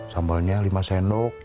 sambalnya lima senok